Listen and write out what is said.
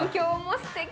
すてき。